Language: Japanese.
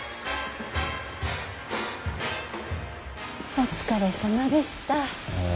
お疲れさまでした。